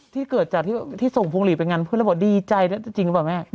ที่เกิดจากที่ส่งพวงหลีดไปงานเพื่อนแล้วบอกดีใจจริงหรือเปล่าแม่